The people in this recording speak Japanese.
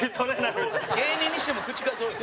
芸人にしても口数多いです。